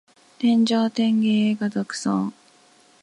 天上天下唯我独尊